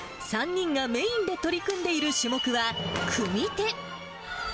３人がメインで取り組んでいる種目は、組手。